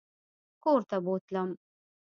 کورته بوتلم.